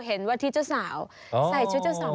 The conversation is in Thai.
วันที่เจ้าสาวใส่ชุดเจ้าสาว